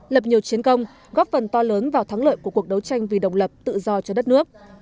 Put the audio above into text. lập nhiều chiến công góp phần to lớn vào thắng lợi của cuộc đấu tranh vì độc lập tự do cho đất nước